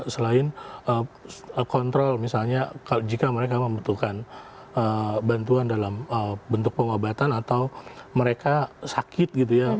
selain kontrol misalnya jika mereka membutuhkan bantuan dalam bentuk pengobatan atau mereka sakit gitu ya